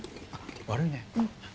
悪いね。